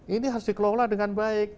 ini harus dikelola dengan baik